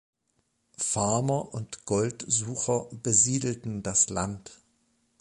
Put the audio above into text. Farmer und Goldsucher besiedelten das Land.